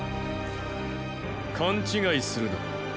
勘違いするな。